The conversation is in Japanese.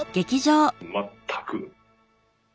全く。